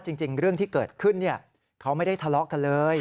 จริงเรื่องที่เกิดขึ้นเขาไม่ได้ทะเลาะกันเลย